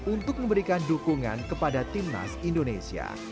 untuk memberikan dukungan kepada tim nas indonesia